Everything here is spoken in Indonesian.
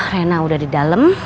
rena udah di dalem